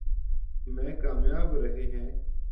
میں کامیاب رہے ہیں۔